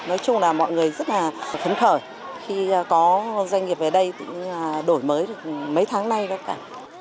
nói chung là mọi người rất là khấn khởi khi có doanh nghiệp về đây đổi mới được mấy tháng nay đó cả